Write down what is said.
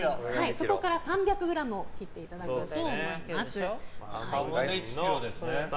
そこから３００ｇを切っていただこうと思います。